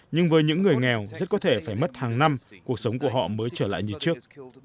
nhưng với những người nghèo rất có thể phải mất hàng năm cuộc sống của họ mới trở lại như trước